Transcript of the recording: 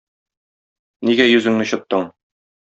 Нигә йөзеңне чыттың?